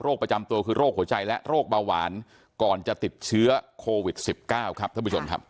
ประจำตัวคือโรคหัวใจและโรคเบาหวานก่อนจะติดเชื้อโควิด๑๙ครับท่านผู้ชมครับ